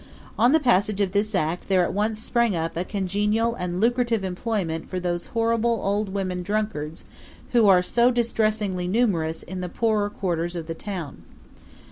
On the passage of this act there at once sprang up a congenial and lucrative employment for those horrible old women drunkards who are so distressingly numerous in the poorer quarters of the town.